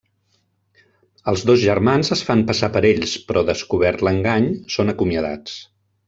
Els dos germans es fan passar per ells però, descobert l'engany, són acomiadats.